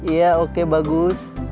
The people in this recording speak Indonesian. iya oke bagus